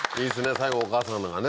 最後お母さまがね